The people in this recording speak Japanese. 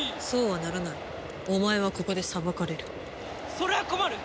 それは困る！